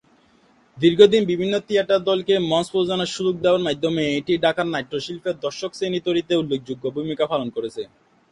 দীর্ঘদিন বিভিন্ন থিয়েটার দলকে মঞ্চ প্রযোজনার সুযোগ দেয়ার মাধ্যমে এটি ঢাকার নাট্য শিল্পের দর্শক-শ্রেণী তৈরিতে উল্লেখযোগ্য ভূমিকা পালন করেছে।